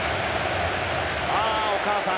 お母さん。